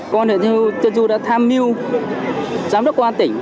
công an tỉnh du đã tham mưu giám đốc quan tỉnh